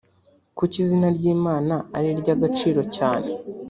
kuki izina ry’imana ari iry’agaciro cyane?